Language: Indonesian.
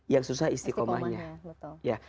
yang susah istiqomahnya